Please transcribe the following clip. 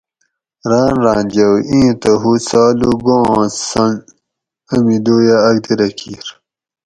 ران ران جھوؤ ایں تہ ہو سالو گوآں سنگ امی دویہ اکدی رہ کیر